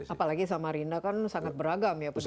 apalagi sama rinda kan sangat beragam ya penduduknya